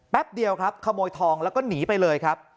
เดียวครับขโมยทองแล้วก็หนีไปเลยครับ